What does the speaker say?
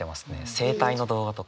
整体の動画とか。